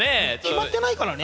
決まってないからね。